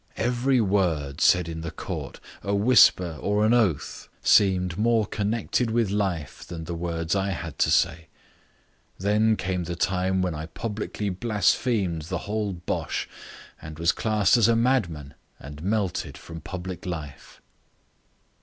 Every word said in the court, a whisper or an oath, seemed more connected with life than the words I had to say. Then came the time when I publicly blasphemed the whole bosh, was classed as a madman and melted from public life."